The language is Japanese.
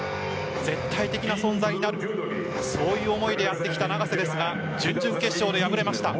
絶対的な存在になるそういう思いでやってきた永瀬ですが準々決勝で敗れました。